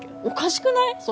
おかしくない？